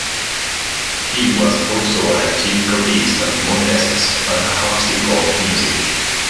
He was also an active copyist of motests and harpsichord music.